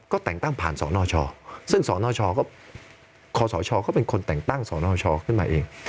ก็แต่งตั้งผ่านสนชซึ่งคศก็เป็นคนแต่งตั้งสนชขึ้นมาเอง